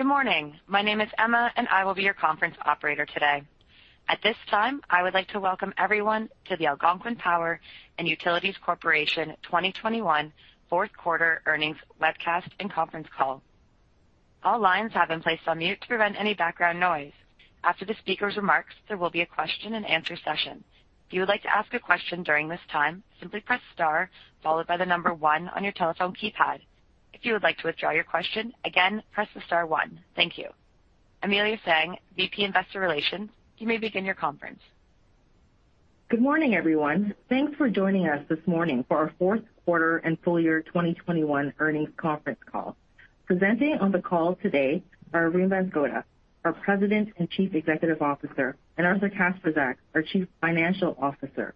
Good morning. My name is Emma, and I will be your conference operator today. At this time, I would like to welcome everyone to the Algonquin Power & Utilities Corporation 2021 fourth quarter earnings webcast and conference call. All lines have been placed on mute to prevent any background noise. After the speaker's remarks, there will be a question-and-answer session. If you would like to ask a question during this time, simply press star followed by the number one on your telephone keypad. If you would like to withdraw your question, again, press the star one. Thank you. Amelia Tsang, VP Investor Relations, you may begin your conference. Good morning, everyone. Thanks for joining us this morning for our fourth quarter and full year 2021 earnings conference call. Presenting on the call today are Arun Banskota, our President and Chief Executive Officer, and Arthur Kacprzak, our Chief Financial Officer.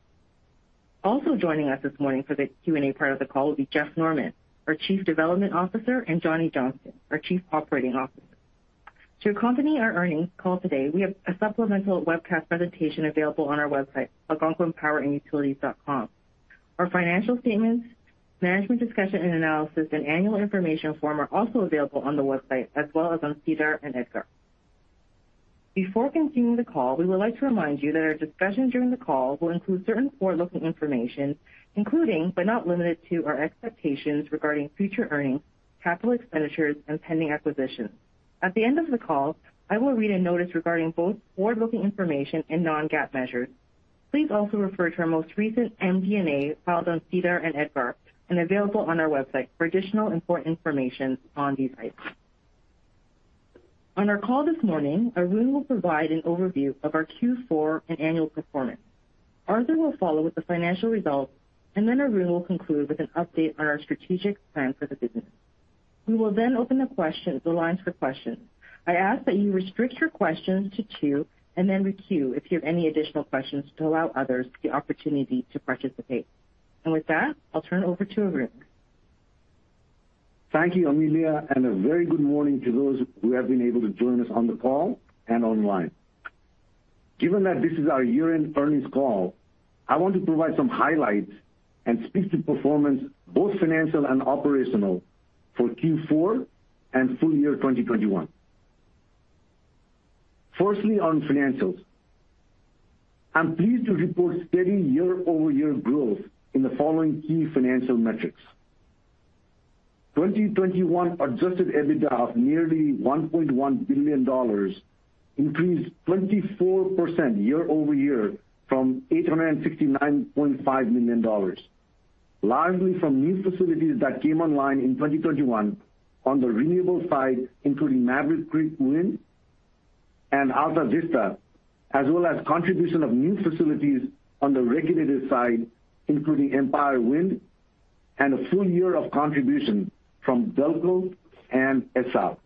Also joining us this morning for the Q&A part of the call will be Jeff Norman, our Chief Development Officer, and Johnny Johnston, our Chief Operating Officer. To accompany our earnings call today, we have a supplemental webcast presentation available on our website, algonquinpowerandutilities.com. Our financial statements, management discussion and analysis, and annual information form are also available on the website as well as on SEDAR and EDGAR. Before continuing the call, we would like to remind you that our discussion during the call will include certain forward-looking information, including but not limited to our expectations regarding future earnings, capital expenditures, and pending acquisitions. At the end of the call, I will read a notice regarding both forward-looking information and non-GAAP measures. Please also refer to our most recent MD&A filed on SEDAR and EDGAR and available on our website for additional important information on these items. On our call this morning, Arun will provide an overview of our Q4 and annual performance. Arthur will follow with the financial results, and then Arun will conclude with an update on our strategic plan for the business. We will then open the lines for questions. I ask that you restrict your questions to two and then queue if you have any additional questions to allow others the opportunity to participate. With that, I'll turn it over to Arun. Thank you, Amelia, and a very good morning to those who have been able to join us on the call and online. Given that this is our year-end earnings call, I want to provide some highlights and speak to performance, both financial and operational, for Q4 and full year 2021. Firstly, on financials. I'm pleased to report steady year-over-year growth in the following key financial metrics. 2021 adjusted EBITDA of nearly $1.1 billion increased 24% year-over-year from $869.5 million, largely from new facilities that came online in 2021 on the renewable side, including Maverick Creek Wind and Altavista, as well as contribution of new facilities on the regulated side, including Empire Wind and a full year of contribution from CalPeco and ESSAL.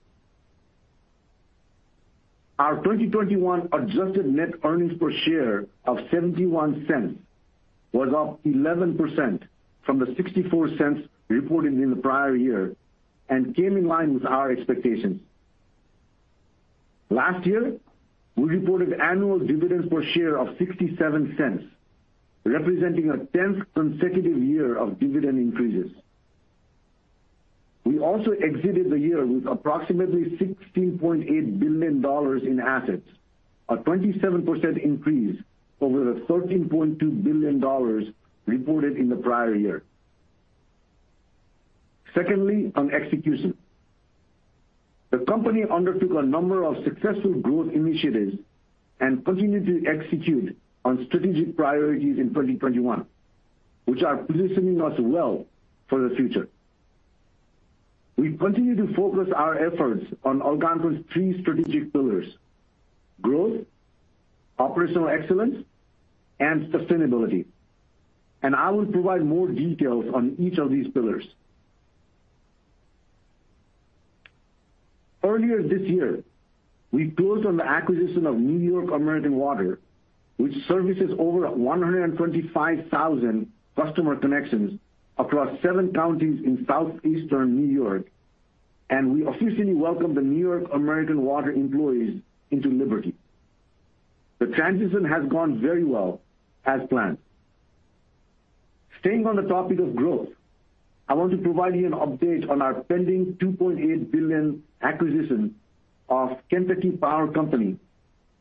Our 2021 Adjusted Net Earnings per share of $0.71 was up 11% from the $0.64 reported in the prior year and came in line with our expectations. Last year, we reported annual dividends per share of $0.67, representing a 10th consecutive year of dividend increases. We also exited the year with approximately $16.8 billion in assets, a 27% increase over the $13.2 billion reported in the prior year. Secondly, on execution, the company undertook a number of successful growth initiatives and continued to execute on strategic priorities in 2021, which are positioning us well for the future. We continue to focus our efforts on Algonquin's three strategic pillars, growth, operational excellence, and sustainability. I will provide more details on each of these pillars. Earlier this year, we closed on the acquisition of New York American Water, which services over 125,000 customer connections across 7 counties in southeastern New York. We officially welcome the New York American Water employees into Liberty. The transition has gone very well as planned. Staying on the topic of growth, I want to provide you an update on our pending $2.8 billion acquisition of Kentucky Power Company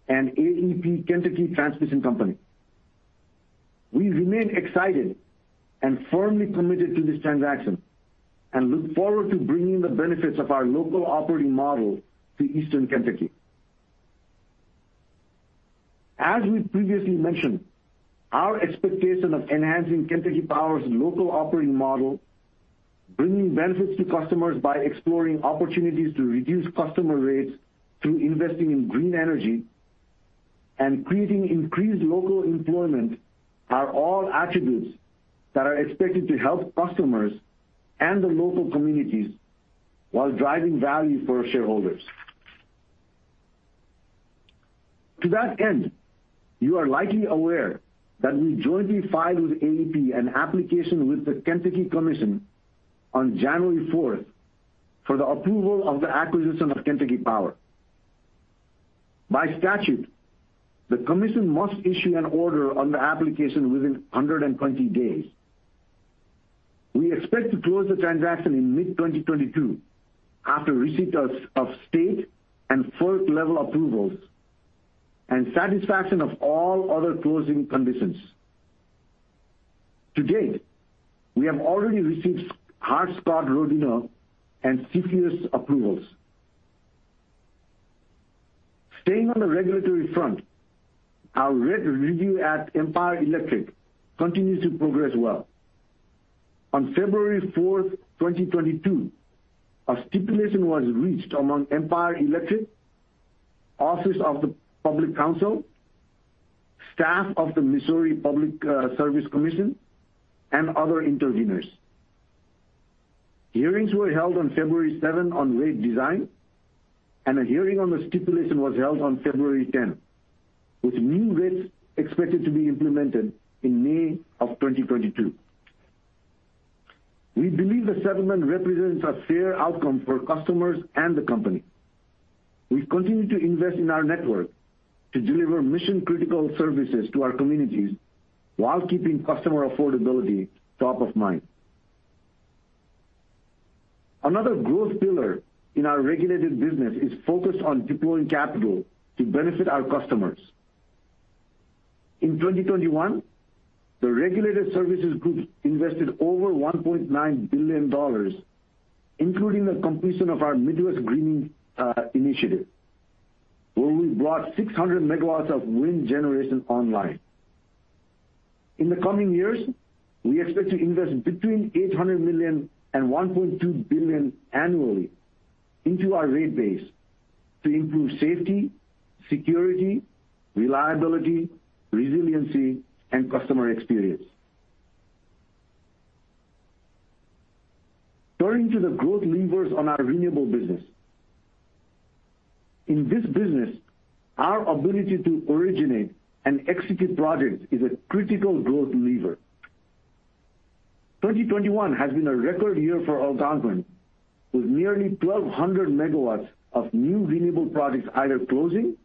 and AEP Kentucky Transmission Company. We remain excited and firmly committed to this transaction and look forward to bringing the benefits of our local operating model to Eastern Kentucky. As we previously mentioned, our expectation of enhancing Kentucky Power's local operating model, bringing benefits to customers by exploring opportunities to reduce customer rates through investing in green energy and creating increased local employment are all attributes that are expected to help customers and the local communities while driving value for our shareholders. To that end, you are likely aware that we jointly filed with AEP an application with the Kentucky Commission on January fourth for the approval of the acquisition of Kentucky Power. By statute, the commission must issue an order on the application within 120 days. We expect to close the transaction in mid-2022 after receipt of state and FERC-level approvals and satisfaction of all other closing conditions. To date, we have already received Hart-Scott-Rodino and CFIUS approvals. Staying on the regulatory front, our rate review at Empire Electric continues to progress well. On February 4, 2022, a stipulation was reached among Empire District Electric, Office of the Public Counsel, staff of the Missouri Public Service Commission, and other interveners. Hearings were held on February 7 on rate design, and a hearing on the stipulation was held on February 10, with new rates expected to be implemented in May 2022. We believe the settlement represents a fair outcome for customers and the company. We continue to invest in our network to deliver mission-critical services to our communities while keeping customer affordability top of mind. Another growth pillar in our regulated business is focused on deploying capital to benefit our customers. In 2021, the Regulated Services Group invested over $1.9 billion, including the completion of our Midwest Greening the Fleet, where we brought 600 MW of wind generation online. In the coming years, we expect to invest between $800 million and $1.2 billion annually into our rate base to improve safety, security, reliability, resiliency, and customer experience. Turning to the growth levers on our renewable business. In this business, our ability to originate and execute projects is a critical growth lever. 2021 has been a record year for Algonquin, with nearly 1,200 MW of new renewable projects either closing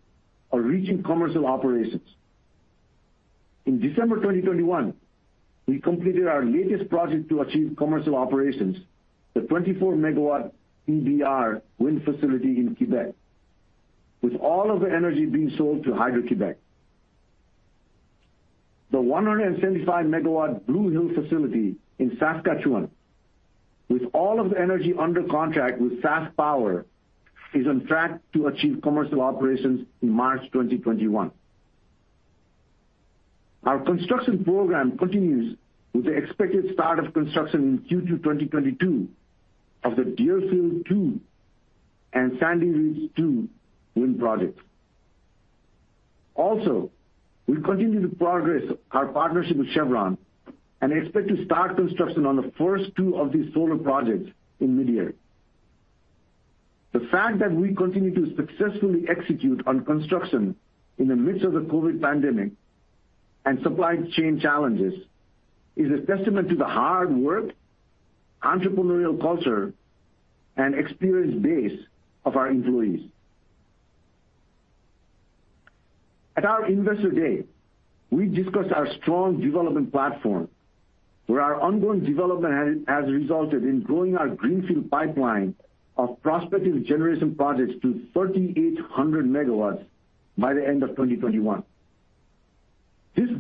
or reaching commercial operations. In December 2021, we completed our latest project to achieve commercial operations, the 24-MW EBR wind facility in Quebec, with all of the energy being sold to Hydro-Québec. The 175-MW Blue Hill facility in Saskatchewan, with all of the energy under contract with SaskPower, is on track to achieve commercial operations in March 2021. Our construction program continues with the expected start of construction in Q2 2022 of the Deerfield 2 and Sandy Ridge 2 wind projects. We continue to progress our partnership with Chevron and expect to start construction on the first two of these solar projects in mid-year. The fact that we continue to successfully execute on construction in the midst of the COVID pandemic and supply chain challenges is a testament to the hard work, entrepreneurial culture, and experience base of our employees. At our Investor Day, we discussed our strong development platform, where our ongoing development has resulted in growing our greenfield pipeline of prospective generation projects to 3,800 MW by the end of 2021.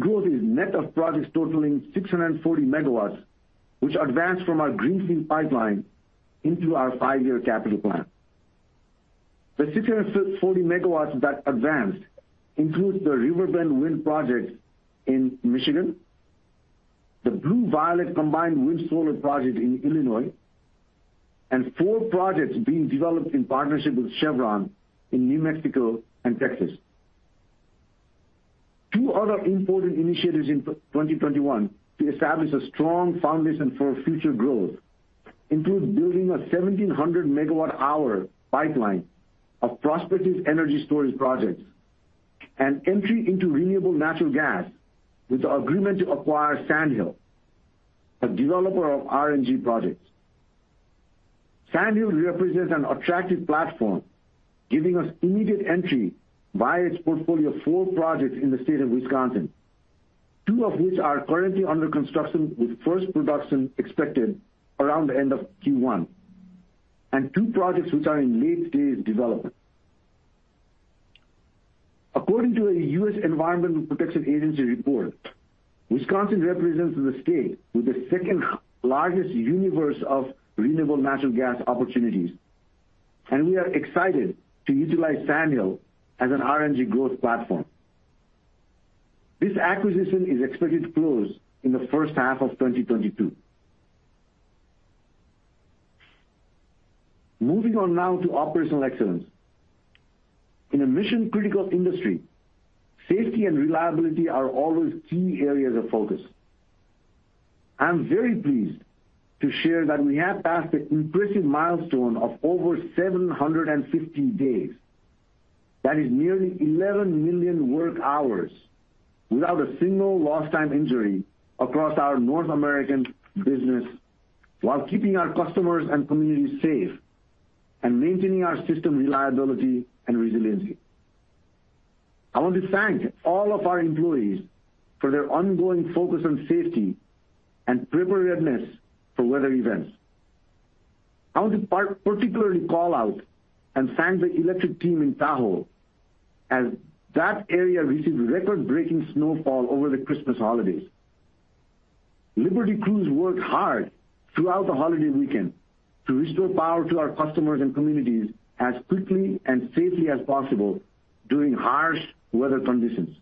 This growth is net of projects totaling 640 MW, which advanced from our greenfield pipeline into our five-year capital plan. The 640 MW that advanced includes the Riverbend Wind Project in Michigan, the Blue Violet combined wind and solar project in Illinois, and four projects being developed in partnership with Chevron in New Mexico and Texas. Two other important initiatives in 2021 to establish a strong foundation for future growth include building a 1,700 MWh pipeline of prospective energy storage projects and entry into renewable natural gas with the agreement to acquire Sandhill, a developer of RNG projects. Sandhill represents an attractive platform, giving us immediate entry via its portfolio of four projects in the state of Wisconsin, two of which are currently under construction, with first production expected around the end of Q1, and two projects which are in late-stage development. According to a U.S. Environmental Protection Agency report, Wisconsin represents the state with the second largest universe of renewable natural gas opportunities, and we are excited to utilize Sandhill as an RNG growth platform. This acquisition is expected to close in the first half of 2022. Moving on now to operational excellence. In a mission-critical industry, safety and reliability are always key areas of focus. I'm very pleased to share that we have passed the impressive milestone of over 750 days. That is nearly 11 million work hours without a single lost time injury across our North American business while keeping our customers and communities safe and maintaining our system reliability and resiliency. I want to thank all of our employees for their ongoing focus on safety and preparedness for weather events. I want to particularly call out and thank the electric team in Tahoe as that area received record-breaking snowfall over the Christmas holidays. Liberty crews worked hard throughout the holiday weekend to restore power to our customers and communities as quickly and safely as possible during harsh weather conditions.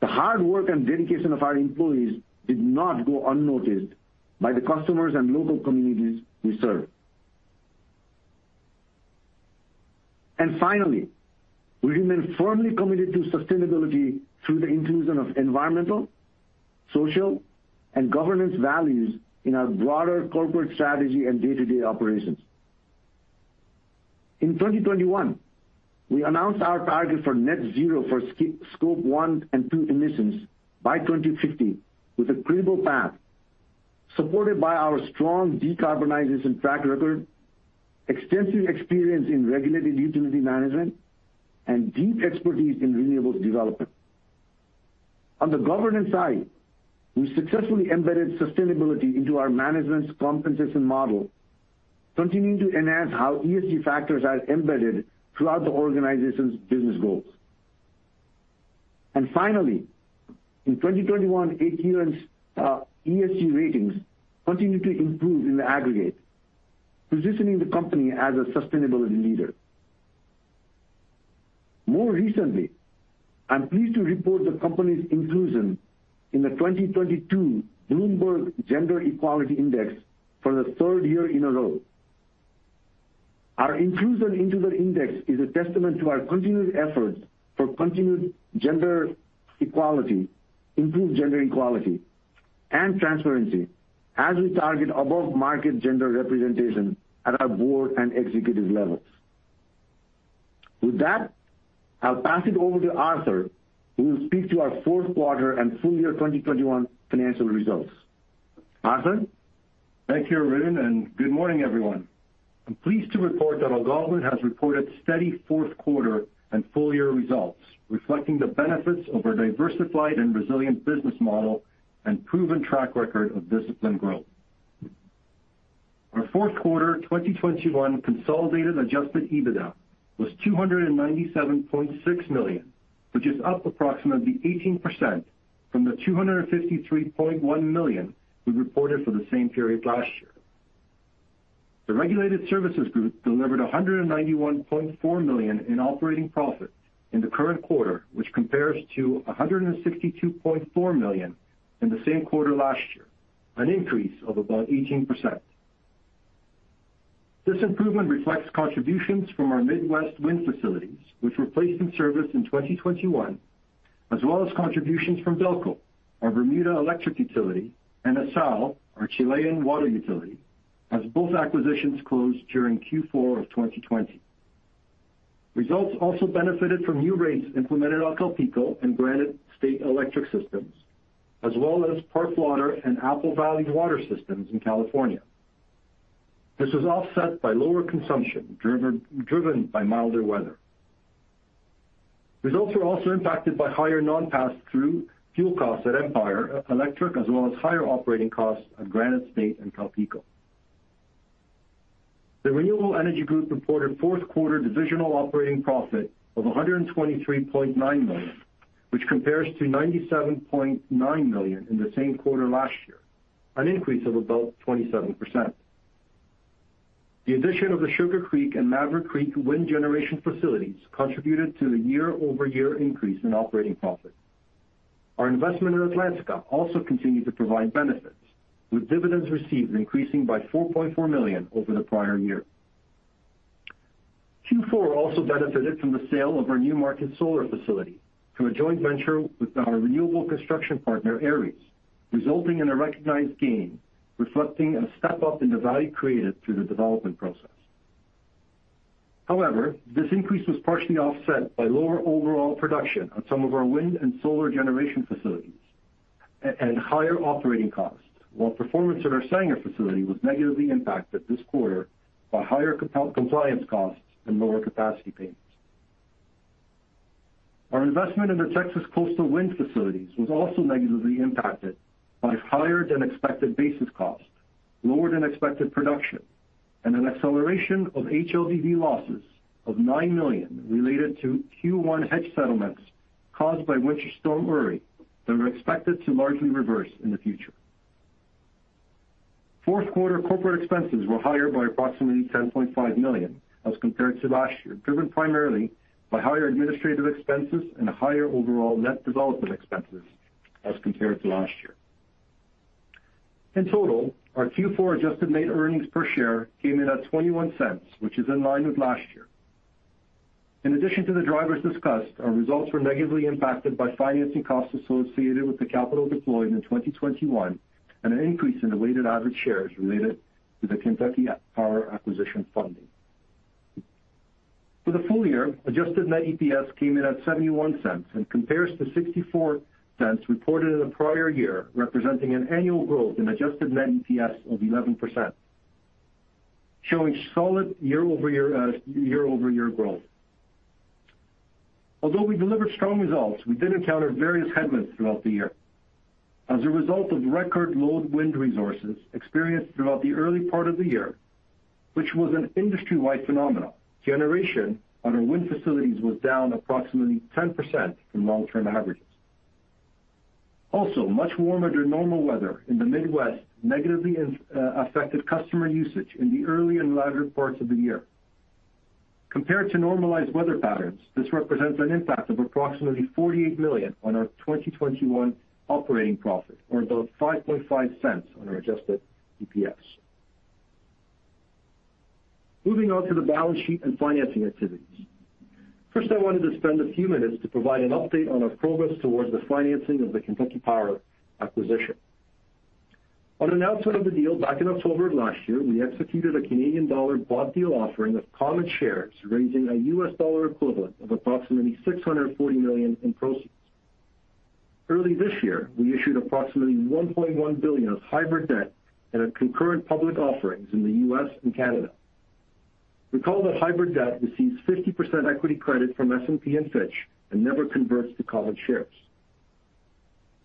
The hard work and dedication of our employees did not go unnoticed by the customers and local communities we serve. Finally, we remain firmly committed to sustainability through the inclusion of environmental, social, and governance values in our broader corporate strategy and day-to-day operations. In 2021, we announced our target for net zero for Scope 1 and 2 emissions by 2050, with a credible path supported by our strong decarbonization track record, extensive experience in regulated utility management, and deep expertise in renewables development. On the governance side, we successfully embedded sustainability into our management's compensation model, continuing to enhance how ESG factors are embedded throughout the organization's business goals. Finally, in 2021, AQN's ESG ratings continued to improve in the aggregate, positioning the company as a sustainability leader. More recently, I'm pleased to report the company's inclusion in the 2022 Bloomberg Gender Equality Index for the third year in a row. Our inclusion into the index is a testament to our continuous efforts for continued gender equality, improved gender equality and transparency as we target above-market gender representation at our board and executive levels. With that, I'll pass it over to Arthur, who will speak to our fourth quarter and full year 2021 financial results. Arthur? Thank you, Arun, and good morning, everyone. I'm pleased to report that Algonquin has reported steady fourth quarter and full-year results, reflecting the benefits of our diversified and resilient business model and proven track record of disciplined growth. Our fourth quarter 2021 consolidated Adjusted EBITDA was $297.6 million, which is up approximately 18% from the $253.1 million we reported for the same period last year. The Regulated Services Group delivered $191.4 million in operating profit in the current quarter, which compares to $162.4 million in the same quarter last year, an increase of about 18%. This improvement reflects contributions from our Midwest wind facilities, which were placed in service in 2021, as well as contributions from BELCO, our Bermuda electric utility, and ESSAL, our Chilean water utility, as both acquisitions closed during Q4 of 2020. Results also benefited from new rates implemented on Calpeco and Granite State Electric systems, as well as Park Water and Apple Valley Ranchos Water systems in California. This was offset by lower consumption driven by milder weather. Results were also impacted by higher non-pass-through fuel costs at Empire District Electric, as well as higher operating costs at Granite State and Calpeco. The Renewable Energy Group reported fourth quarter Divisional Operating Profit of $123.9 million, which compares to $97.9 million in the same quarter last year, an increase of about 27%. The addition of the Sugar Creek and Maverick Creek wind generation facilities contributed to the year-over-year increase in operating profit. Our investment in Atlantica also continued to provide benefits, with dividends received increasing by $4.4 million over the prior year. Q4 also benefited from the sale of our New Market Solar facility to a joint venture with our renewable construction partner, Ares, resulting in a recognized gain, reflecting a step-up in the value created through the development process. However, this increase was partially offset by lower overall production on some of our wind and solar generation facilities and higher operating costs, while performance at our Sanger facility was negatively impacted this quarter by higher compliance costs and lower capacity payments. Our investment in the Texas coastal wind facilities was also negatively impacted by higher-than-expected basis cost, lower-than-expected production, and an acceleration of HLBV losses of $9 million related to Q1 hedge settlements caused by Winter Storm Uri that are expected to largely reverse in the future. Fourth quarter corporate expenses were higher by approximately $10.5 million as compared to last year, driven primarily by higher administrative expenses and higher overall net development expenses as compared to last year. In total, our Q4 Adjusted Net Earnings per share came in at $0.21, which is in line with last year. In addition to the drivers discussed, our results were negatively impacted by financing costs associated with the capital deployed in 2021 and an increase in the weighted average shares related to the Kentucky Power acquisition funding. For the full year, Adjusted Net EPS came in at $0.71 and compares to $0.64 reported in the prior year, representing an annual growth in Adjusted Net EPS of 11%, showing solid year-over-year growth. Although we delivered strong results, we did encounter various headwinds throughout the year. As a result of record low wind resources experienced throughout the early part of the year, which was an industry-wide phenomenon, generation on our wind facilities was down approximately 10% from long-term averages. Also, much warmer than normal weather in the Midwest negatively affected customer usage in the early and latter parts of the year. Compared to normalized weather patterns, this represents an impact of approximately $48 million on our 2021 operating profit, or about $0.055 on our adjusted EPS. Moving on to the balance sheet and financing activities. First, I wanted to spend a few minutes to provide an update on our progress towards the financing of the Kentucky Power acquisition. On announcement of the deal back in October of last year, we executed a Canadian dollar bond deal offering of common shares, raising a U.S. dollar equivalent of approximately $640 million in proceeds. Early this year, we issued approximately $1.1 billion of hybrid debt at our concurrent public offerings in the U.S. and Canada. Recall that hybrid debt receives 50% equity credit from S&P and Fitch and never converts to common shares.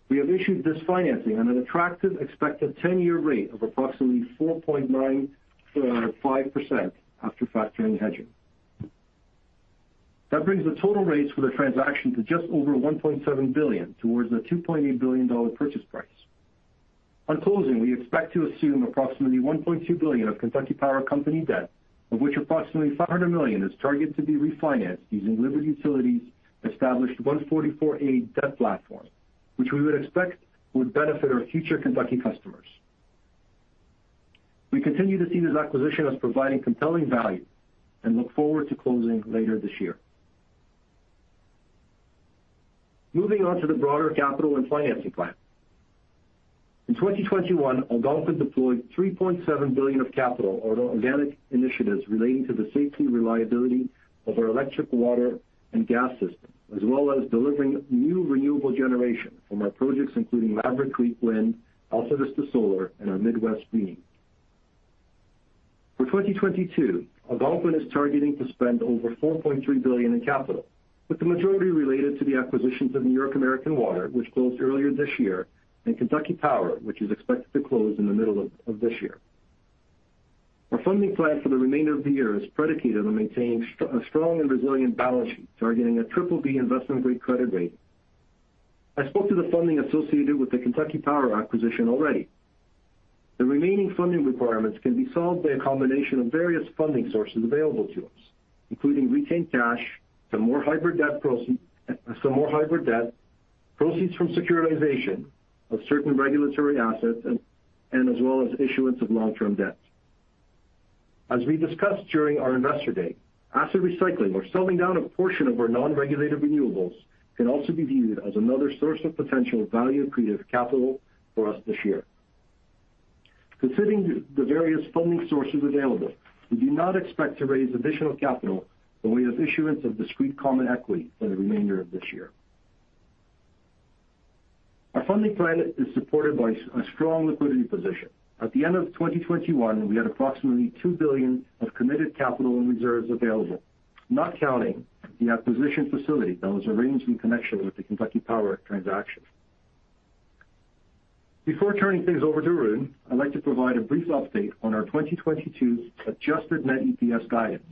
We have issued this financing on an attractive expected ten-year rate of approximately 4.95% after factoring hedging. That brings the total raise for the transaction to just over $1.7 billion toward the $2.8 billion purchase price. On closing, we expect to assume approximately $1.2 billion of Kentucky Power Company debt, of which approximately $500 million is targeted to be refinanced using Liberty Utilities' established 144A debt platform, which we would expect would benefit our future Kentucky customers. We continue to see this acquisition as providing compelling value and look forward to closing later this year. Moving on to the broader capital and financing plan. In 2021, Algonquin deployed $3.7 billion of capital on organic initiatives relating to the safety and reliability of our electric water and gas system, as well as delivering new renewable generation from our projects, including Maverick Creek Wind, Altavista Solar, and our Midwest Greening. For 2022, Algonquin is targeting to spend over $4.3 billion in capital, with the majority related to the acquisitions of New York American Water, which closed earlier this year, and Kentucky Power, which is expected to close in the middle of this year. Our funding plan for the remainder of the year is predicated on maintaining a strong and resilient balance sheet, targeting a BBB investment-grade credit rating. I spoke to the funding associated with the Kentucky Power acquisition already. The remaining funding requirements can be solved by a combination of various funding sources available to us, including retained cash, some more hybrid debt, proceeds from securitization of certain regulatory assets, and as well as issuance of long-term debt. As we discussed during our investor day, asset recycling or selling down a portion of our non-regulated renewables can also be viewed as another source of potential value creative capital for us this year. Considering the various funding sources available, we do not expect to raise additional capital when we have issuance of discrete common equity for the remainder of this year. Our funding plan is supported by a strong liquidity position. At the end of 2021, we had approximately $2 billion of committed capital and reserves available, not counting the acquisition facility that was arranged in connection with the Kentucky Power transaction. Before turning things over to Arun, I'd like to provide a brief update on our 2022 adjusted net EPS guidance.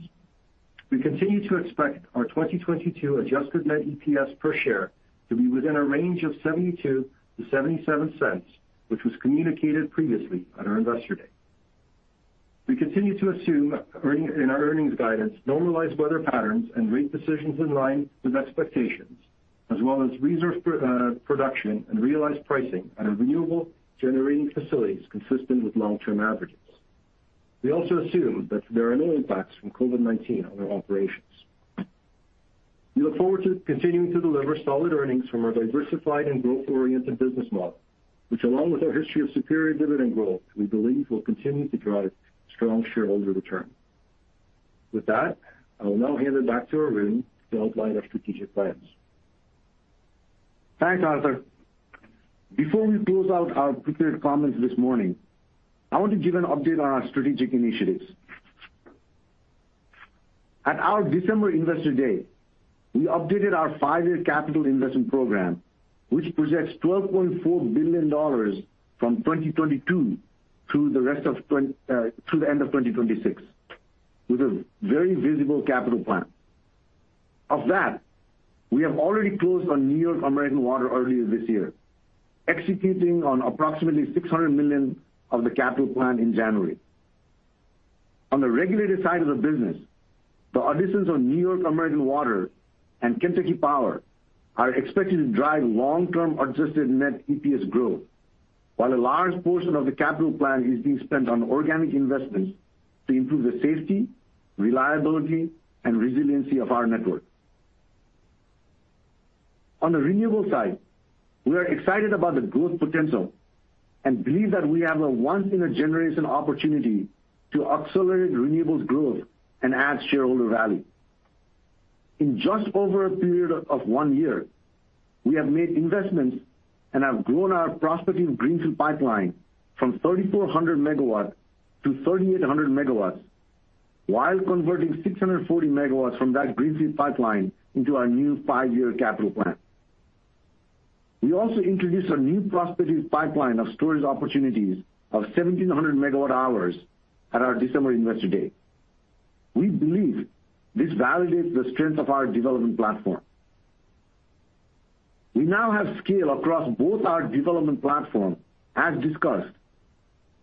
We continue to expect our 2022 adjusted net EPS per share to be within a range of $0.72-$0.77, which was communicated previously at our investor day. We continue to assume in our earnings guidance, normalized weather patterns and rate decisions in line with expectations, as well as production and realized pricing at our renewable generating facilities consistent with long-term averages. We also assume that there are no impacts from COVID-19 on our operations. We look forward to continuing to deliver solid earnings from our diversified and growth-oriented business model, which, along with our history of superior dividend growth, we believe will continue to drive strong shareholder return. With that, I will now hand it back to Arun to outline our strategic plans. Thanks, Arthur. Before we close out our prepared comments this morning, I want to give an update on our strategic initiatives. At our December investor day, we updated our five-year capital investment program, which projects $12.4 billion from 2022 through the end of 2026, with a very visible capital plan. Of that, we have already closed on New York American Water earlier this year, executing on approximately $600 million of the capital plan in January. On the regulated side of the business, the additions of New York American Water and Kentucky Power are expected to drive long-term adjusted net EPS growth, while a large portion of the capital plan is being spent on organic investments to improve the safety, reliability, and resiliency of our network. On the renewable side, we are excited about the growth potential and believe that we have a once in a generation opportunity to accelerate renewables growth and add shareholder value. In just over a period of one year, we have made investments and have grown our prospective greenfield pipeline from 3,400 MW to 3,800 MW while converting 640 MW from that greenfield pipeline into our new five-year capital plan. We also introduced a new prospective pipeline of storage opportunities of 1,700 MWh at our December Investor Day. We believe this validates the strength of our development platform. We now have scale across both our development platforms, as discussed,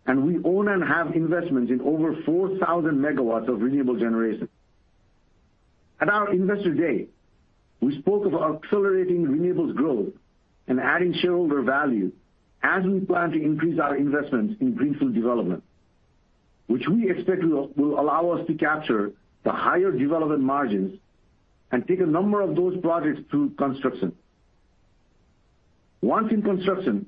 and we own and have investments in over 4,000 MW of renewable generation. At our Investor Day, we spoke of accelerating renewables growth and adding shareholder value as we plan to increase our investments in greenfield development, which we expect will allow us to capture the higher development margins and take a number of those projects through construction. Once in construction,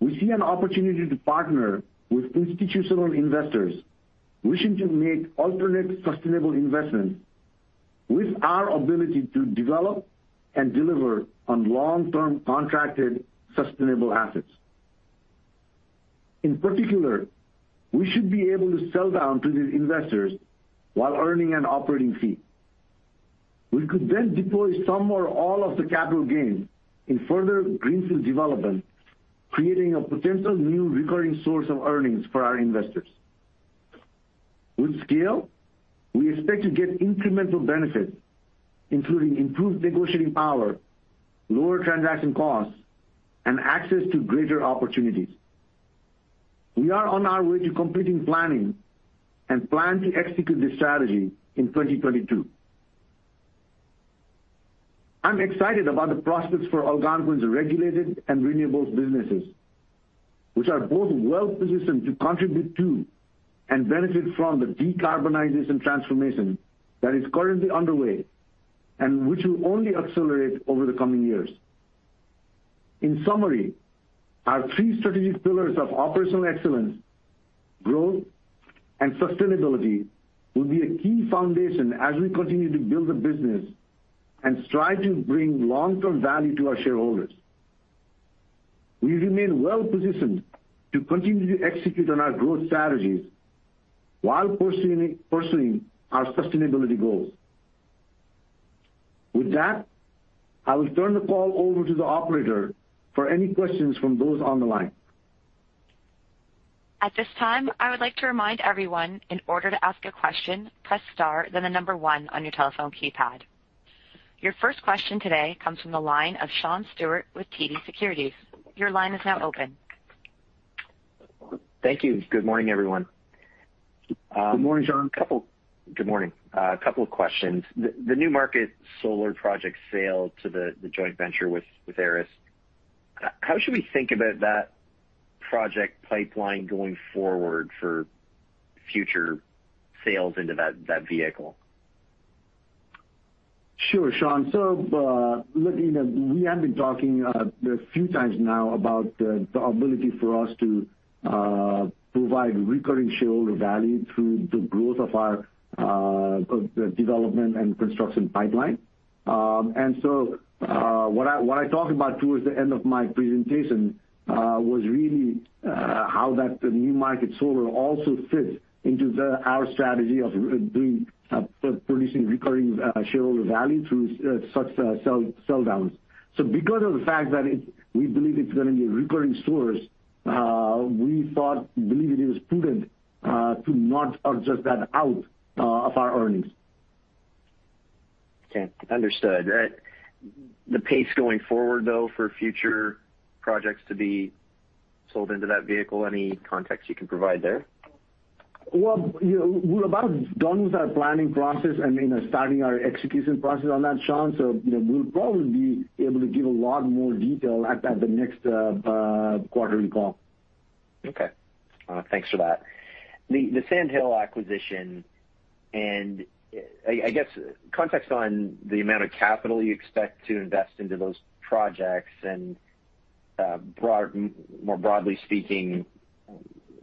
we see an opportunity to partner with institutional investors wishing to make alternate sustainable investments with our ability to develop and deliver on long-term contracted sustainable assets. In particular, we should be able to sell down to these investors while earning an operating fee. We could then deploy some or all of the capital gains in further greenfield development, creating a potential new recurring source of earnings for our investors. With scale, we expect to get incremental benefits, including improved negotiating power, lower transaction costs, and access to greater opportunities. We are on our way to completing planning and plan to execute this strategy in 2022. I'm excited about the prospects for Algonquin's regulated and renewables businesses, which are both well-positioned to contribute to and benefit from the decarbonization transformation that is currently underway and which will only accelerate over the coming years. In summary, our three strategic pillars of operational excellence, growth, and sustainability will be a key foundation as we continue to build the business and strive to bring long-term value to our shareholders. We remain well-positioned to continue to execute on our growth strategies while pursuing our sustainability goals. With that, I will turn the call over to the operator for any questions from those on the line. At this time, I would like to remind everyone, in order to ask a question, press star then the number one on your telephone keypad. Your first question today comes from the line of Sean Steuart with TD Securities. Your line is now open. Thank you. Good morning, everyone. Good morning, Sean. Good morning. A couple of questions. The New Market Solar project sale to the joint venture with Ares, how should we think about that project pipeline going forward for future sales into that vehicle? Sure, Sean. Look, you know, we have been talking a few times now about the ability for us to provide recurring shareholder value through the growth of our development and construction pipeline. What I talked about towards the end of my presentation was really how that New Market Solar also fits into our strategy of providing recurring shareholder value through such sell-downs. Because of the fact that we believe it's gonna be a recurring source, we believed it was prudent to not adjust that out of our earnings. Okay. Understood. The pace going forward, though, for future projects to be sold into that vehicle, any context you can provide there? Well, you know, we're about done with our planning process and, you know, starting our execution process on that, Sean. We'll probably be able to give a lot more detail at the next quarterly call. Okay. Thanks for that. The Sandhill acquisition and I guess context on the amount of capital you expect to invest into those projects and more broadly speaking,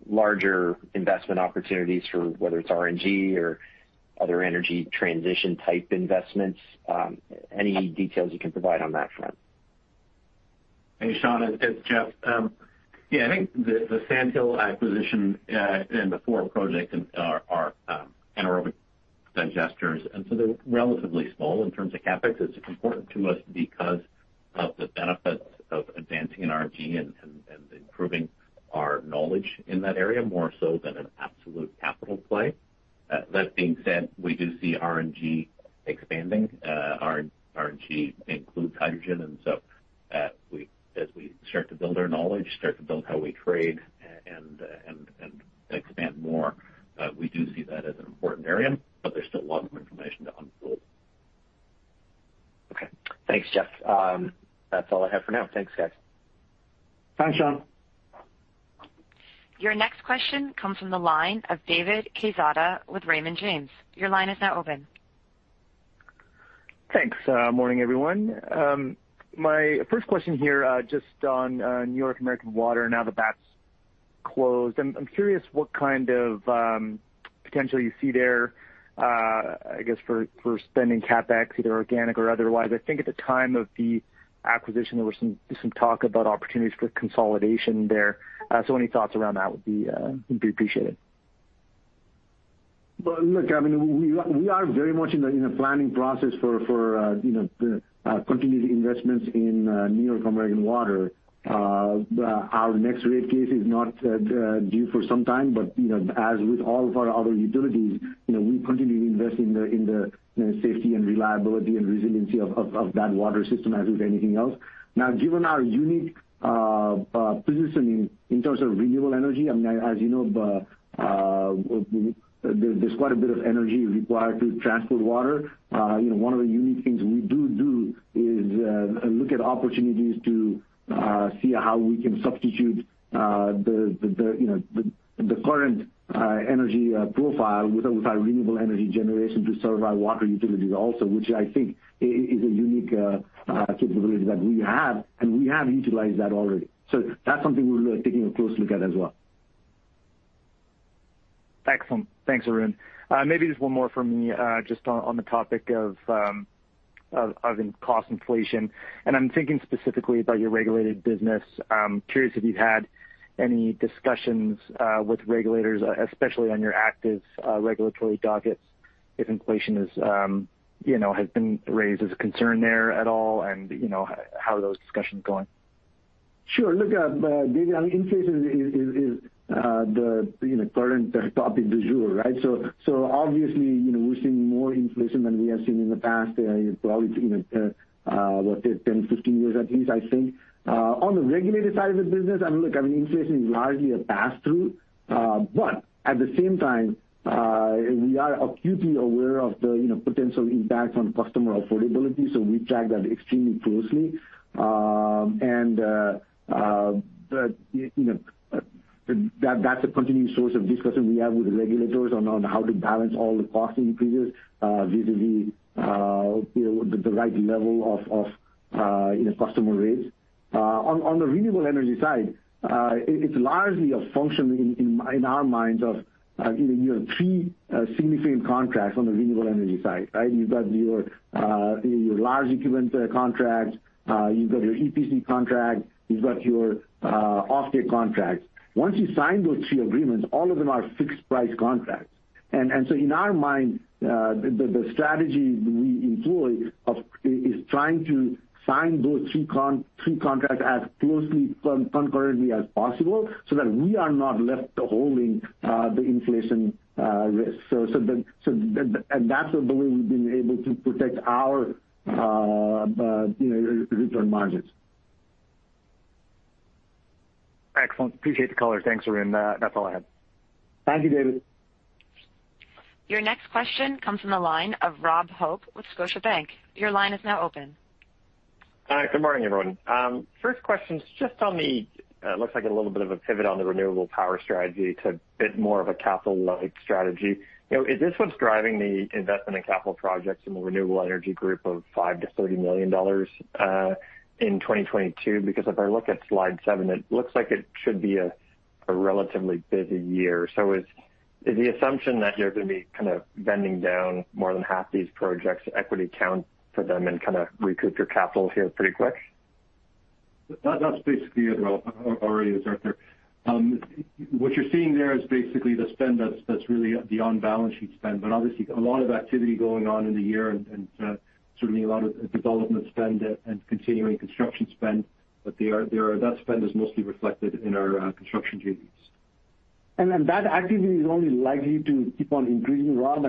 larger investment opportunities for whether it's RNG or other energy transition type investments, any details you can provide on that front? Hey, Sean, it's Jeff. Yeah, I think the Sandhill acquisition and the four projects are anaerobic digesters, and so they're relatively small in terms of CapEx. It's important to us because of the benefits of advancing RNG and improving our knowledge in that area more so than an absolute capital play. That being said, we do see RNG expanding. RNG includes hydrogen and so, as we start to build our knowledge and how we trade and expand more, we do see that as an important area, but there's still a lot more information to unfold. Okay. Thanks, Jeff. That's all I have for now. Thanks, guys. Thanks, Sean. Your next question comes from the line of David Quezada with Raymond James. Your line is now open. Thanks. Morning, everyone. My first question here, just on New York American Water. Now that that's closed, I'm curious what kind of potential you see there, I guess for spending CapEx, either organic or otherwise. I think at the time of the acquisition, there's some talk about opportunities for consolidation there. Any thoughts around that would be appreciated. Well, look, I mean, we are very much in the planning process for, you know, continued investments in New York American Water. Our next rate case is not due for some time, but, you know, as with all of our other utilities, you know, we continue to invest in the safety and reliability and resiliency of that water system as with anything else. Now, given our unique positioning in terms of renewable energy, I mean, as you know, there's quite a bit of energy required to transport water. You know, one of the unique things we do is look at opportunities to see how we can substitute the current energy profile with our renewable energy generation to serve our water utilities also which I think is a unique capability that we have, and we have utilized that already. That's something we're taking a close look at as well. Excellent. Thanks, Arun. Maybe just one more from me, just on the topic of cost inflation, and I'm thinking specifically about your regulated business. I'm curious if you've had any discussions with regulators, especially on your active regulatory dockets, if inflation has been raised as a concern there at all and how those discussions are going. Sure. Look, David, I mean, inflation is the, you know, current topic du jour, right? Obviously, you know, we're seeing more inflation than we have seen in the past, probably, you know, what, 10, 15 years at least, I think. On the regulated side of the business, I mean, look, I mean, inflation is largely a pass-through. At the same time, we are acutely aware of the, you know, potential impact on customer affordability, so we track that extremely closely. The, you know, that's a continuing source of discussion we have with the regulators on how to balance all the cost increases, vis-à-vis, you know, the right level of customer rates. On the renewable energy side, it's largely a function in our minds of, you know, you have three significant contracts on the renewable energy side, right? You've got your large equipment contracts. You've got your EPC contract. You've got your offtake contracts. Once you sign those three agreements, all of them are fixed price contracts. In our mind, the strategy we employ is trying to sign those three contracts as closely concurrently as possible so that we are not left holding the inflation risk. That's the way we've been able to protect our return margins. Excellent. Appreciate the color. Thanks, Arun. That's all I had. Thank you, David. Your next question comes from the line of Robert Hope with Scotiabank. Your line is now open. Hi. Good morning, everyone. First question is just on the looks like a little bit of a pivot on the renewable power strategy to a bit more of a capital-light strategy. You know, is this what's driving the investment in capital projects in the Renewable Energy Group of $5 million-$30 million in 2022? Because if I look at slide 7, it looks like it should be a relatively busy year. Is the assumption that you're gonna be kind of funding more than half these projects equity contribution for them and kind of recoup your capital here pretty quick? That's basically it, Rob. Arun, is that fair? What you're seeing there is basically the spend that's really the on-balance sheet spend, but obviously a lot of activity going on in the year and certainly a lot of development spend and continuing construction spend. That spend is mostly reflected in our construction JVs. That activity is only likely to keep on increasing, Rob.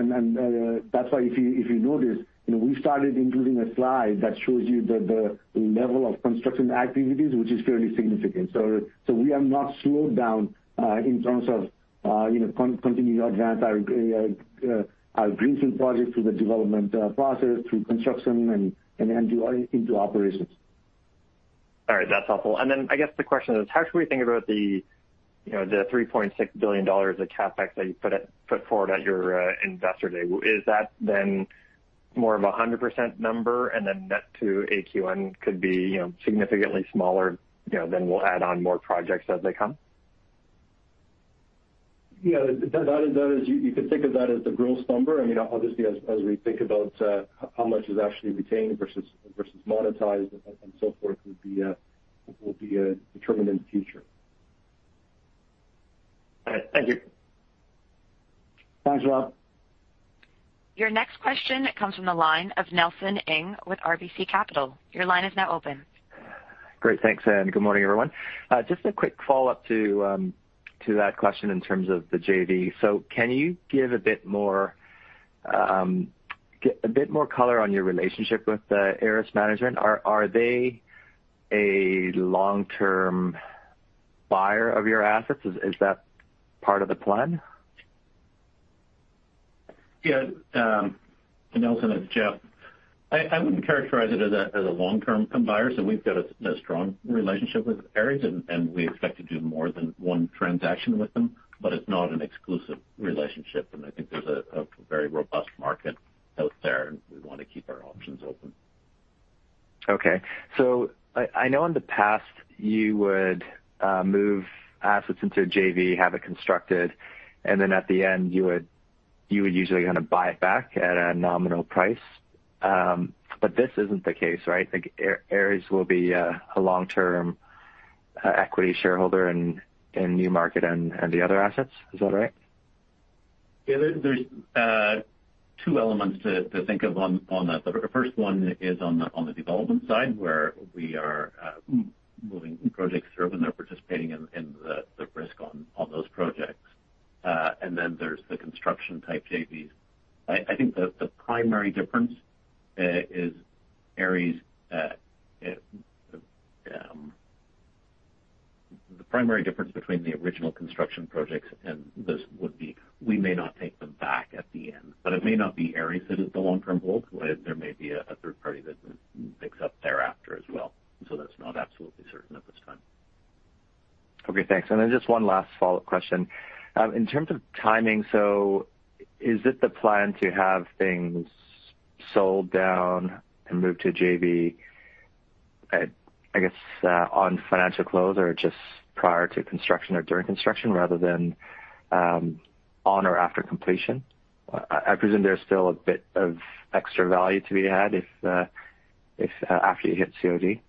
That's why if you notice, you know, we started including a slide that shows you the level of construction activities, which is fairly significant. We have not slowed down in terms of, you know, continuing to advance our greenfield projects through the development process, through construction and into operations. All right. That's helpful. I guess the question is how should we think about the, you know, the $3.6 billion of CapEx that you put forward at your Investor Day? Is that then more of a 100% number and then net to AQN could be, you know, significantly smaller, you know, then we'll add on more projects as they come? Yeah. That is. You could think of that as the gross number. I mean, obviously as we think about how much is actually retained versus monetized and so forth will be determined in the future. All right. Thank you. Thanks, Rob. Your next question comes from the line of Nelson Ng with RBC Capital. Your line is now open. Great. Thanks, and good morning, everyone. Just a quick follow-up to that question in terms of the JV. Can you give a bit more color on your relationship with the Ares management? Are they a long-term buyer of your assets? Is that part of the plan? Yeah. Nelson, it's Jeff. I wouldn't characterize it as a long-term buyer. We've got a strong relationship with Ares and we expect to do more than one transaction with them, but it's not an exclusive relationship, and I think there's a very robust market out there, and we wanna keep our options open. Okay. I know in the past you would move assets into a JV, have it constructed, and then at the end you would usually kinda buy it back at a nominal price. This isn't the case, right? Like, Ares will be a long-term equity shareholder in New Market and the other assets. Is that right? There's two elements to think of on that. The first one is on the development side where we are moving projects through when they're participating in the risk on those projects. There's the construction type JVs. I think the primary difference between the original construction projects and this would be we may not take them back at the end. It may not be Ares that is the long-term hold. There may be a third party that picks up thereafter as well. That's not absolutely certain at this time. Okay, thanks. Just one last follow-up question. In terms of timing, is it the plan to have things sold down and moved to JV at, I guess, on financial close or just prior to construction or during construction rather than on or after completion? I presume there's still a bit of extra value to be had if after you hit COD.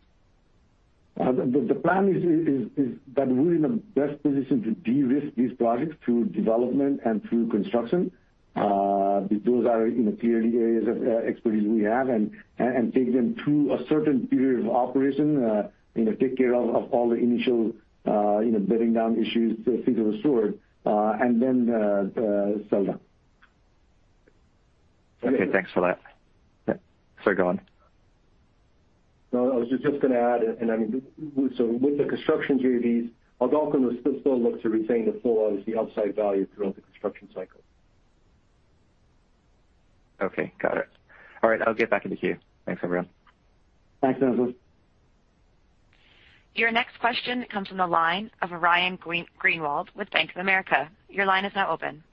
The plan is that we're in the best position to de-risk these projects through development and through construction. Those are, you know, clearly areas of expertise we have. Take them through a certain period of operation, you know, take care of all the initial, you know, bedding down issues, things of the sort, and then sell down. Okay, thanks for that. Sorry, go on. No, I was just gonna add, and I mean, with the construction JVs, Algonquin will still look to retain the full, obviously, upside value throughout the construction cycle. Okay, got it. All right, I'll get back in the queue. Thanks, everyone. Thanks, Nelson. Your next question comes from the line of Ryan Greenwald with Bank of America. Your line is now open.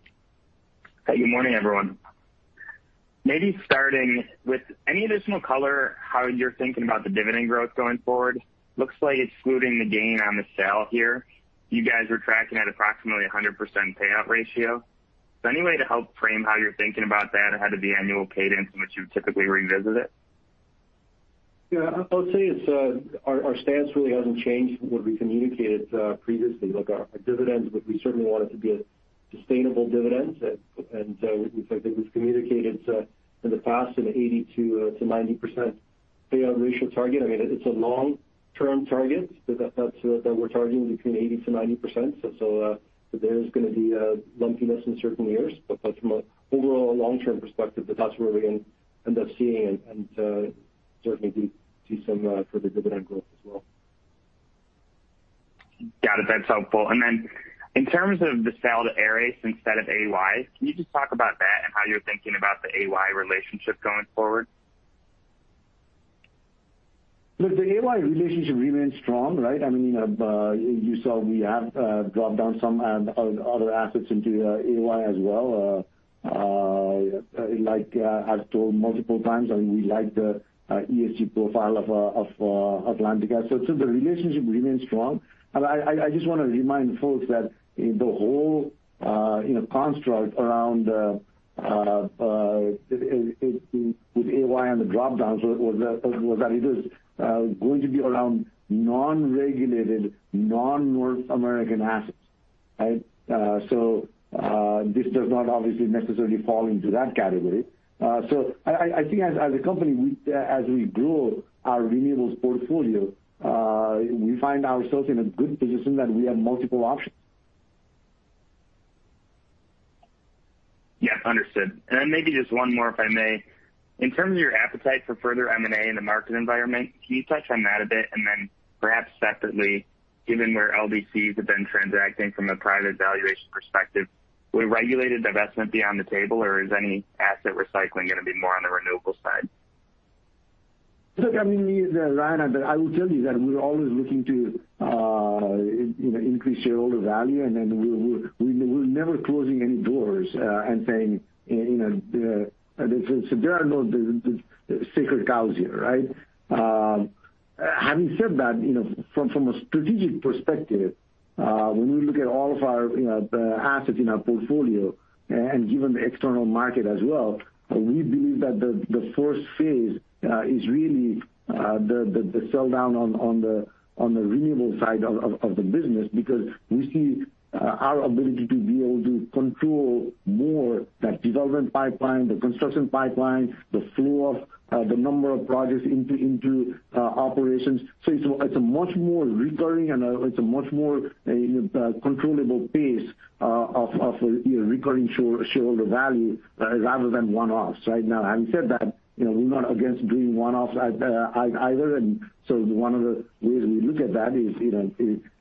Good morning, everyone. Maybe starting with any additional color how you're thinking about the dividend growth going forward? Looks like excluding the gain on the sale here, you guys are tracking at approximately 100% payout ratio. Is there any way to help frame how you're thinking about that ahead of the annual cadence in which you typically revisit it? Yeah. I'll say it's our stance really hasn't changed from what we communicated previously. Look, our dividends, we certainly want it to be a sustainable dividend. I think we've communicated in the past an 80%-90% payout ratio target. I mean, it's a long-term target. That's what we're targeting between 80%-90%. There is gonna be lumpiness in certain years. From an overall long-term perspective, that's where we end up seeing and certainly do some further dividend growth as well. Got it. That's helpful. In terms of the sale to Ares instead of AY, can you just talk about that and how you're thinking about the AY relationship going forward? Look, the AY relationship remains strong, right? I mean, you saw we have dropped down some other assets into AY as well. Like, I've told multiple times, I mean, we like the ESG profile of Atlantica. So the relationship remains strong. I just wanna remind folks that the whole you know construct around with AY on the drop down was that it is going to be around non-regulated, non-North American assets. Right? So this does not obviously necessarily fall into that category. I think as a company, we, as we grow our renewables portfolio, we find ourselves in a good position that we have multiple options. Yeah. Understood. Maybe just one more, if I may. In terms of your appetite for further M&A in the market environment, can you touch on that a bit? Perhaps separately, given where LDCs have been transacting from a private valuation perspective, would regulated divestment be on the table, or is any asset recycling gonna be more on the renewables side? Look, I mean, Ryan, I will tell you that we're always looking to, you know, increase shareholder value, and then we're never closing any doors, and saying, you know, there are no sacred cows here, right? Having said that, you know, from a strategic perspective, when we look at all of our, you know, assets in our portfolio and given the external market as well, we believe that the first phase is really the sell down on the renewable side of the business because we see our ability to be able to control more that development pipeline, the construction pipeline, the flow of the number of projects into operations. It's a much more recurring and controllable pace of recurring shareholder value rather than one-offs. Right? Now, having said that, you know, we're not against doing one-offs either. One of the ways we look at that is, you know,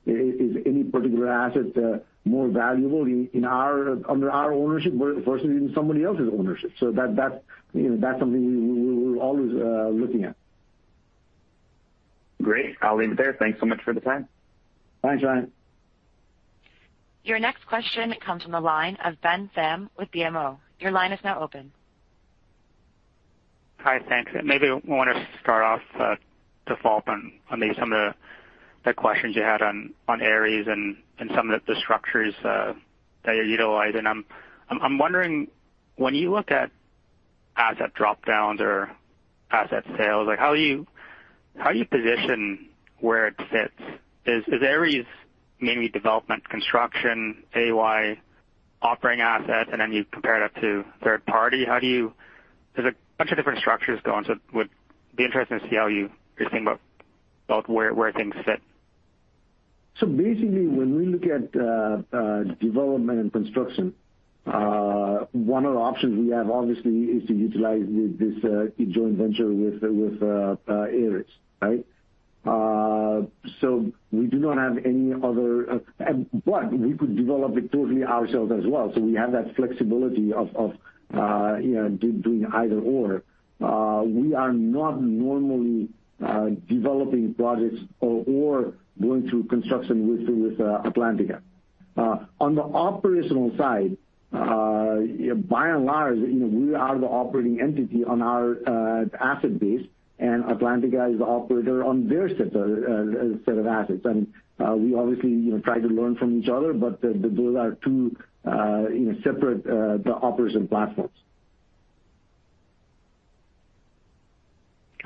is any particular asset more valuable under our ownership versus in somebody else's ownership. That's something we're always looking at. Great. I'll leave it there. Thanks so much for the time. Thanks, John. Your next question comes from the line of Ben Pham with BMO. Your line is now open. Hi, thanks. Maybe want to start off to follow up on maybe some of the questions you had on Ares and some of the structures that you utilize. I'm wondering, when you look at asset drop-downs or asset sales, like how do you position where it fits? Is Ares mainly development, construction, AY offering assets, and then you compare that to third party? There's a bunch of different structures going, so would be interesting to see how you are thinking about where things fit. Basically, when we look at development and construction, one of the options we have obviously is to utilize this joint venture with Ares, right? We do not have any other, but we could develop it totally ourselves as well. We have that flexibility of you know doing either or. We are not normally developing projects or going through construction with Atlantica. On the operational side, by and large, you know, we are the operating entity on our asset base, and Atlantica is the operator on their set of assets. We obviously you know try to learn from each other, but those are two you know separate operational platforms.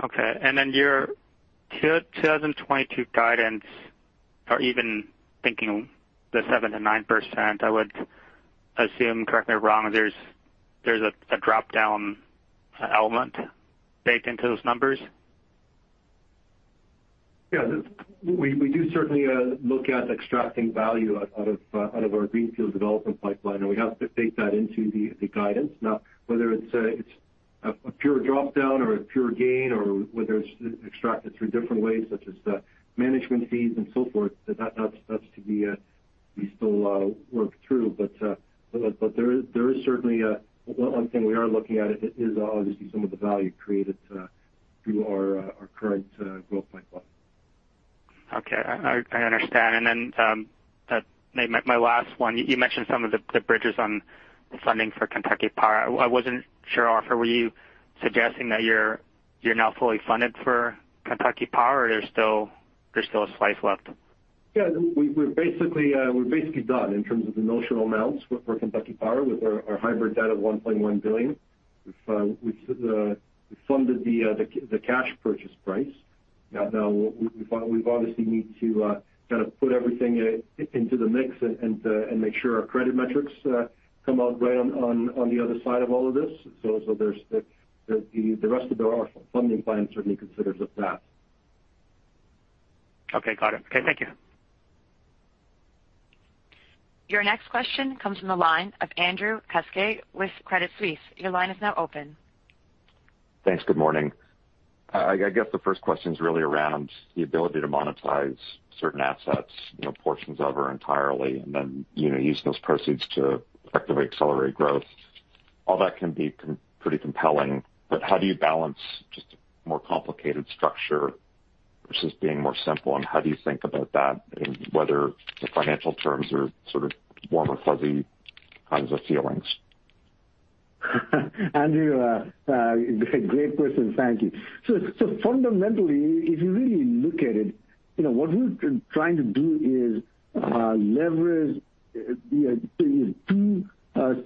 Okay. Then your 2022 guidance or even thinking the 7%-9%, I would assume, correct me if I'm wrong, there's a drop-down element baked into those numbers. We do certainly look at extracting value out of our greenfield development pipeline, and we have to take that into the guidance. Now, whether it's a pure drop-down or a pure gain or whether it's extracted through different ways such as management fees and so forth, that's to be. We still work through. There is certainly one thing we are looking at is obviously some of the value created through our current growth pipeline. Okay, I understand. My last one. You mentioned some of the bridges on the funding for Kentucky Power. I wasn't sure, Arthur, were you suggesting that you're now fully funded for Kentucky Power or there's still a slice left? Yeah. We're basically done in terms of the notional amounts for Kentucky Power with our hybrid debt of $1.1 billion. We've funded the cash purchase price. Now, we've obviously need to kind of put everything into the mix and make sure our credit metrics come out right on the other side of all of this. There's the rest of our funding plan certainly considers with that. Okay, got it. Okay, thank you. Your next question comes from the line of Andrew Kuske with Credit Suisse. Your line is now open. Thanks. Good morning. I guess the first question is really around the ability to monetize certain assets, you know, portions of or entirely, and then, you know, use those proceeds to effectively accelerate growth. All that can be pretty compelling, but how do you balance just a more complicated structure versus being more simple? How do you think about that in whether the financial terms are sort of warm or fuzzy kinds of feelings? Andrew, great question. Thank you. Fundamentally, if you really look at it, you know, what we've been trying to do is leverage, you know, the two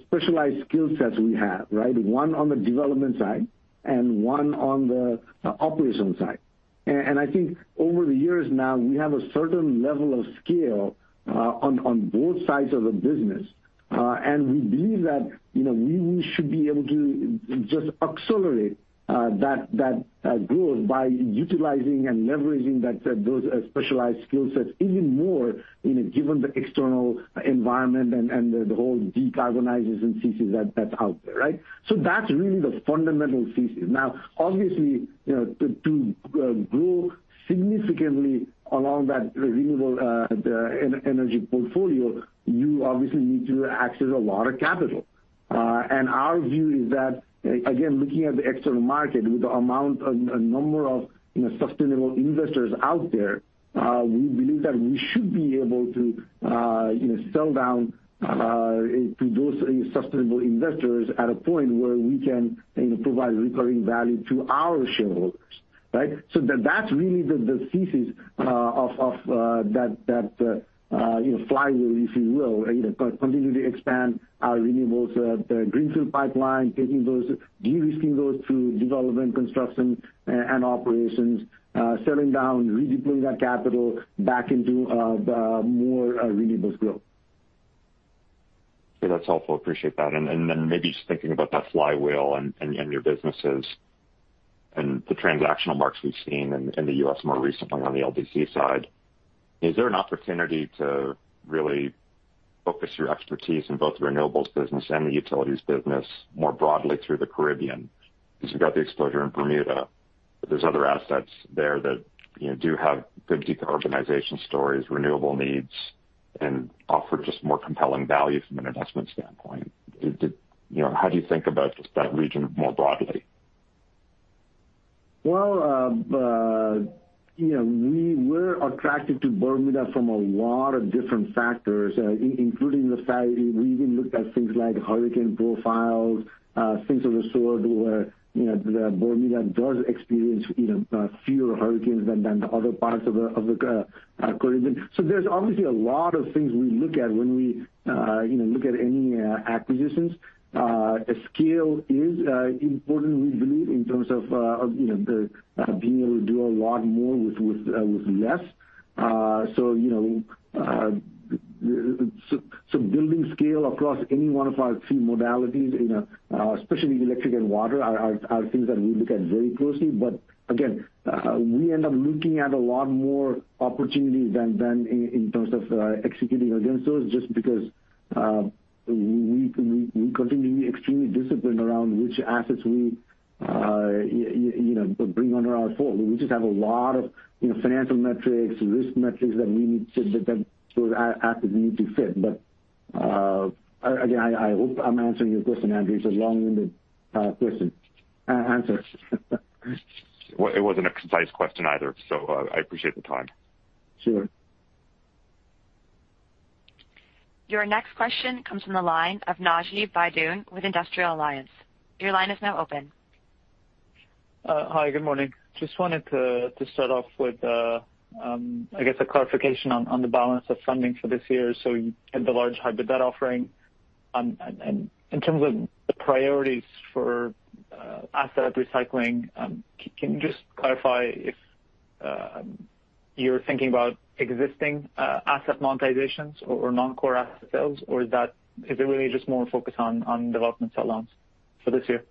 specialized skill sets we have, right? One on the development side and one on the operational side. I think over the years now, we have a certain level of skill on both sides of the business. We believe that, you know, we should be able to just accelerate that growth by utilizing and leveraging those specialized skill sets even more, you know, given the external environment and the whole decarbonization thesis that's out there, right? That's really the fundamental thesis. Now obviously, you know, to grow significantly along that renewable energy portfolio, you obviously need to access a lot of capital. Our view is that, again, looking at the external market with the amount and number of, you know, sustainable investors out there, we believe that we should be able to, you know, sell down to those sustainable investors at a point where we can, you know, provide recurring value to our shareholders, right? That's really the thesis of that, you know, flywheel, if you will. You know, continually expand our renewables greenfield pipeline, taking those de-risking those through development, construction, and operations, selling down, redeploying that capital back into the more renewables growth. Yeah, that's helpful. Appreciate that. Maybe just thinking about that flywheel and your businesses and the transactional marks we've seen in the U.S. more recently on the LDC side. Is there an opportunity to really focus your expertise in both the renewables business and the utilities business more broadly through the Caribbean? Because you've got the exposure in Bermuda, but there's other assets there that, you know, do have good decarbonization stories, renewable needs. Offer just more compelling value from an investment standpoint. You know, how do you think about just that region more broadly? Well, you know, we were attracted to Bermuda from a lot of different factors, including the fact we even looked at things like hurricane profiles, things of the sort where, you know, the Bermuda does experience, you know, fewer hurricanes than the other parts of the Caribbean. There's obviously a lot of things we look at when we, you know, look at any acquisitions. Scale is important, we believe, in terms of, you know, the being able to do a lot more with less. So, you know, building scale across any one of our key modalities, you know, especially electric and water are things that we look at very closely. We end up looking at a lot more opportunities than in terms of executing against those, just because we continue to be extremely disciplined around which assets we you know bring under our fold. We just have a lot of, you know, financial metrics, risk metrics that those assets need to fit. Again, I hope I'm answering your question, Andrew. It's a long-winded answer. Well, it wasn't a concise question either, so, I appreciate the time. Sure. Your next question comes from the line of Naji Baydoun with Industrial Alliance. Your line is now open. Hi, good morning. Just wanted to start off with, I guess, a clarification on the balance of funding for this year. You had the large hybrid debt offering. And in terms of the priorities for asset recycling, can you just clarify if you're thinking about existing asset monetizations or non-core asset sales, or is that really just more focused on development sell downs for this year?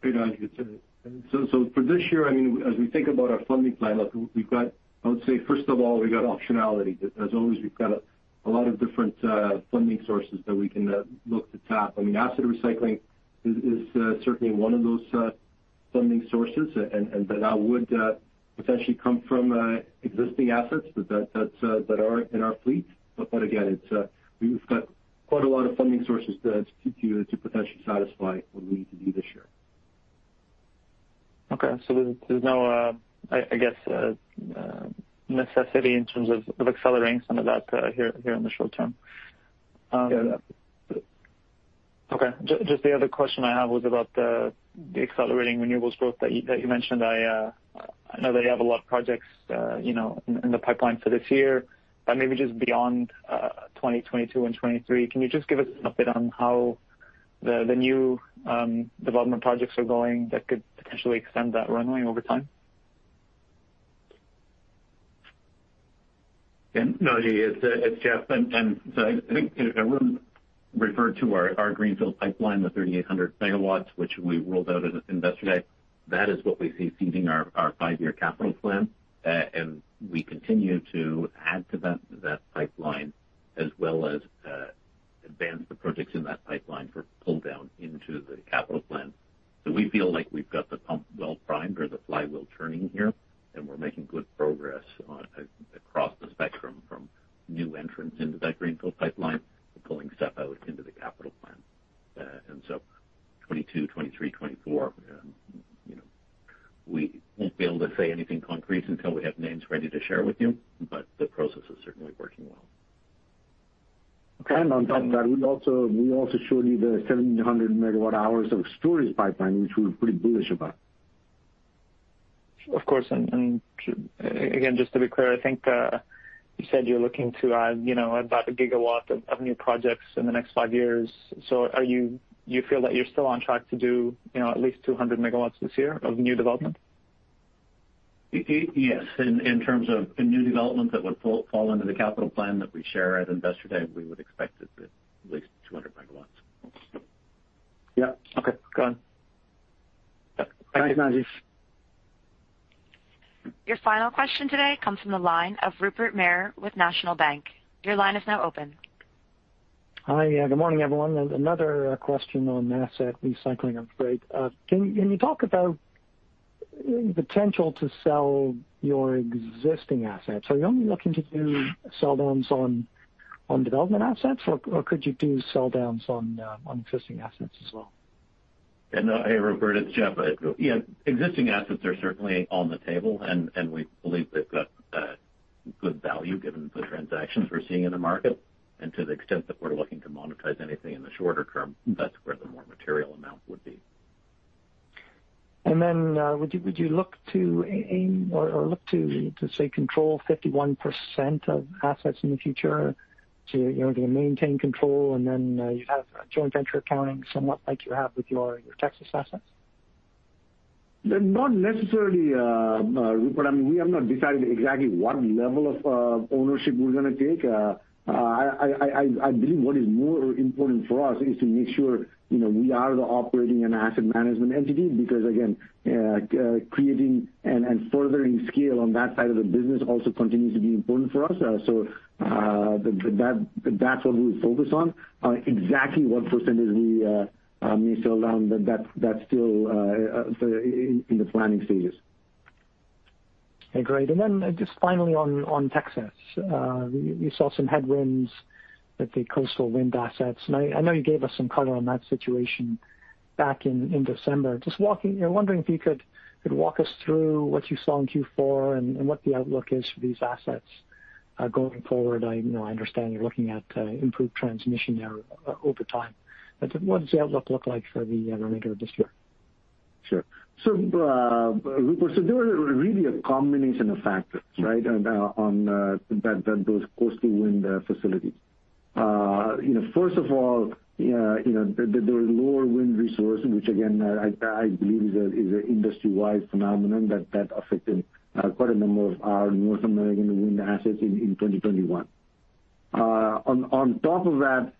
Great, Naji. For this year, I mean, as we think about our funding plan, look, I would say, first of all, we've got optionality. As always, we've got a lot of different funding sources that we can look to tap. I mean, asset recycling is certainly one of those funding sources, and that would potentially come from existing assets that are in our fleet. Again, we've got quite a lot of funding sources to potentially satisfy what we need to do this year. Okay. There's no, I guess, necessity in terms of accelerating some of that here in the short term. Yeah. Okay. Just the other question I have was about the accelerating renewables growth that you mentioned. I know that you have a lot of projects, you know, in the pipeline for this year, but maybe just beyond 2022 and 2023. Can you just give us an update on how the new development projects are going that could potentially extend that runway over time? Naji, it's Jeff. I think Arun referred to our greenfield pipeline, the 3,800 megawatts, which we rolled out at Investor Day. That is what we see seeding our five-year capital plan. We continue to add to that pipeline as well as advance the projects in that pipeline for pull down into the capital plan. We feel like we've got the pump well-primed or the flywheel turning here, and we're making good progress across the spectrum from new entrants into that greenfield pipeline, pulling stuff out into the capital plan. 2022, 2023, 2024, you know, we won't be able to say anything concrete until we have names ready to share with you, but the process is certainly working well. On top of that, we also showed you the 700 MWh of storage pipeline, which we're pretty bullish about. Of course. Again, just to be clear, I think you said you're looking to add, you know, about 1 GW of new projects in the next 5 years. Do you feel that you're still on track to do, you know, at least 200 MW this year of new development? Yes. In terms of the new development that would fall under the capital plan that we share at Investor Day, we would expect at least 200 MW. Yeah. Okay. Got it. Thanks, Naji. Your final question today comes from the line of Rupert Merer with National Bank. Your line is now open. Hi. Good morning, everyone. Another question on asset recycling upgrade. Can you talk about potential to sell your existing assets? Are you only looking to do sell downs on development assets or could you do sell downs on existing assets as well? Hey, Rupert, it's Jeff. Yeah, existing assets are certainly on the table, and we believe they've got good value given the transactions we're seeing in the market. To the extent that we're looking to monetize anything in the shorter term, that's where the more material amount would be. Would you look to aim or look to say control 51% of assets in the future to, you know, to maintain control, and then you have a joint venture accounting somewhat like you have with your Texas assets? Not necessarily, Rupert. I mean, we have not decided exactly what level of ownership we're gonna take. I believe what is more important for us is to make sure, you know, we are the operating and asset management entity, because again, creating and furthering scale on that side of the business also continues to be important for us. That's what we focus on. Exactly what percentage we need to allow that's still in the planning stages. Okay, great. Then just finally on Texas. You saw some headwinds with the coastal wind assets. I know you gave us some color on that situation back in December. I'm wondering if you could walk us through what you saw in Q4 and what the outlook is for these assets going forward. You know, I understand you're looking at improved transmission there over time. What does the outlook look like for the remainder of this year? Sure. There were really a combination of factors, right? On those coastal wind facilities. You know, first of all, you know, there was lower wind resource, which again, I believe is an industry-wide phenomenon that affected quite a number of our North American wind assets in 2021. On top of that,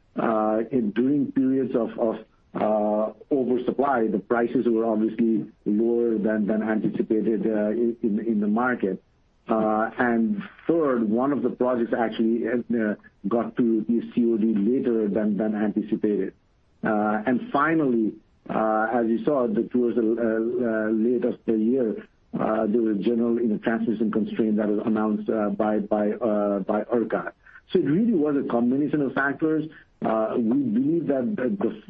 during periods of oversupply, the prices were obviously lower than anticipated in the market. And third, one of the projects actually has got to the COD later than anticipated. And finally, as you saw towards the later part of the year, there was general, you know, transmission constraint that was announced by ERCOT. It really was a combination of factors. We believe that the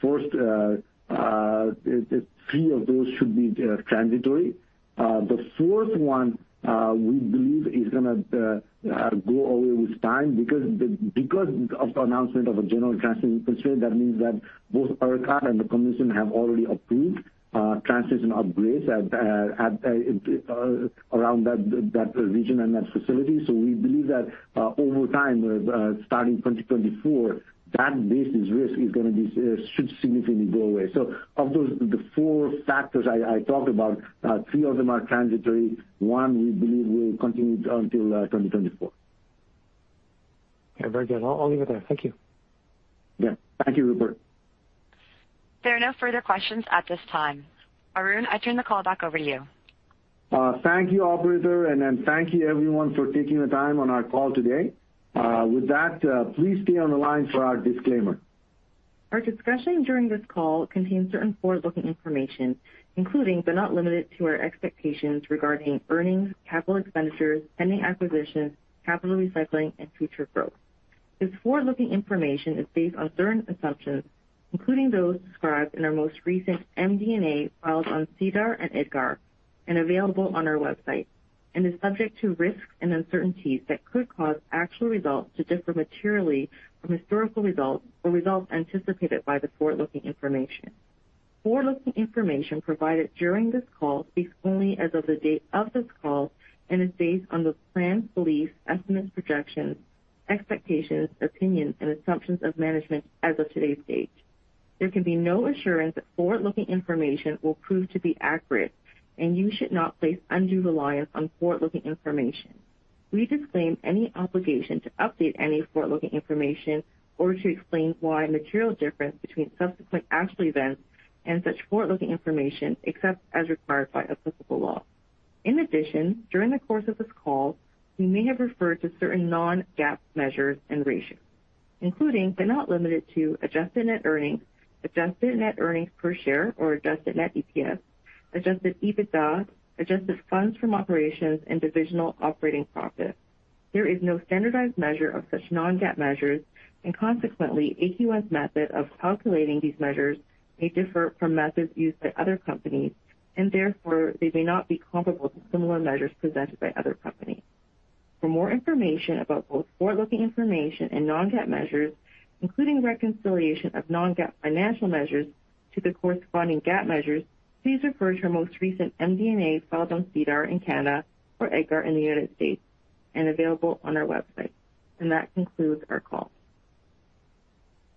first three of those should be transitory. The fourth one, we believe is gonna go away with time because of the announcement of a general transmission constraint that means that both ERCOT and the commission have already approved transmission upgrades at around that region and that facility. We believe that over time, starting 2024, that business risk should significantly go away. Of those, the four factors I talked about, three of them are transitory. One, we believe will continue until 2024. Yeah, very good. I'll leave it there. Thank you. Yeah. Thank you, Rupert. There are no further questions at this time. Arun, I turn the call back over to you. Thank you, operator. Thank you everyone for taking the time on our call today. With that, please stay on the line for our disclaimer. Our discussion during this call contains certain forward-looking information, including, but not limited to, our expectations regarding earnings, capital expenditures, pending acquisitions, capital recycling, and future growth. This forward-looking information is based on certain assumptions, including those described in our most recent MD&A filed on SEDAR and EDGAR and available on our website, and is subject to risks and uncertainties that could cause actual results to differ materially from historical results or results anticipated by the forward-looking information. Forward-looking information provided during this call speaks only as of the date of this call and is based on the plans, beliefs, estimates, projections, expectations, opinions, and assumptions of management as of today's date. There can be no assurance that forward-looking information will prove to be accurate, and you should not place undue reliance on forward-looking information. We disclaim any obligation to update any forward-looking information or to explain why material difference between subsequent actual events and such forward-looking information, except as required by applicable law. In addition, during the course of this call, we may have referred to certain non-GAAP measures and ratios, including, but not limited to Adjusted Net Earnings, Adjusted Net Earnings per share or Adjusted Net EPS, Adjusted EBITDA, Adjusted Funds from Operations, and Divisional Operating Profit. There is no standardized measure of such non-GAAP measures, and consequently, AQN's method of calculating these measures may differ from methods used by other companies, and therefore they may not be comparable to similar measures presented by other companies. For more information about both forward-looking information and non-GAAP measures, including reconciliation of non-GAAP financial measures to the corresponding GAAP measures, please refer to our most recent MD&A filed on SEDAR in Canada or EDGAR in the United States and available on our website. That concludes our call.